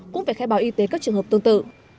cũng phải khai báo y tế các trường hợp tương tự